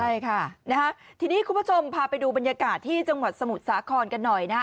ใช่ค่ะนะฮะทีนี้คุณผู้ชมพาไปดูบรรยากาศที่จังหวัดสมุทรสาครกันหน่อยนะฮะ